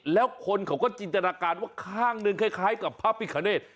แล้วคนเขาก็จินตนาการว่าข้างหนึ่งคล้ายกับพระพิคเนธ